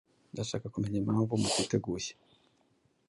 Ndashaka kumenya impamvu mutiteguye.